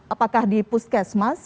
apakah di puskesmas